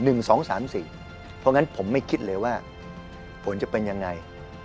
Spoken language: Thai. เพราะฉะนั้นผมไม่คิดเลยว่าผลจะเป็นยังไง